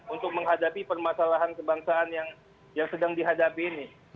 untuk menghadapi permasalahan kebangsaan yang sedang dihadapi ini